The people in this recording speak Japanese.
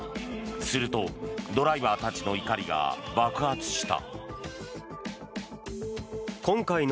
するとドライバーたちの怒りが爆発した。